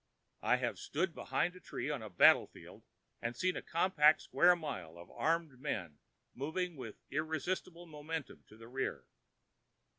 I have stood behind a tree on the battle field and seen a compact square mile of armed men moving with irresistible momentum to the rear.